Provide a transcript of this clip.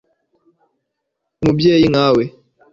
umubyeyi nkawe